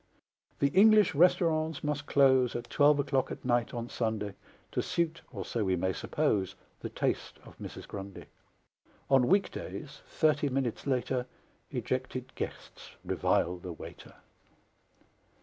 The English restaurants must close At twelve o'clock at night on Sunday, To suit (or so we may suppose) The taste of Mrs. Grundy; On week days, thirty minutes later, Ejected guests revile the waiter.